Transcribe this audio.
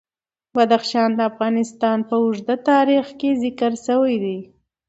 بدخشان د افغانستان په اوږده تاریخ کې ذکر شوی دی.